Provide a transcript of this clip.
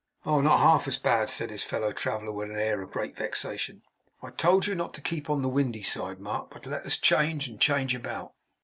'Oh, not half as bad,' said his fellow traveller, with an air of great vexation. 'I told you not to keep on the windy side, Mark, but to let us change and change about.